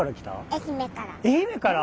愛媛から！